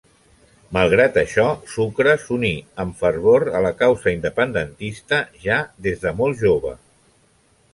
Malgrat això, Sucre s'uní amb fervor a la causa independentista ja des de molt jove.